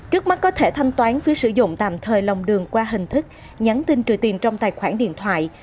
trước mắt có thể thanh toán phí sử dụng tạm thời lòng đường qua hình thức nhắn tin trừ tiền trong tài khoản điện thoại